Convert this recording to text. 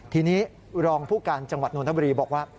ทีนี้รองผู้การจังหวัดนทบุรีบอกว่า